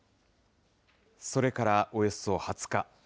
それからおよそ２０日。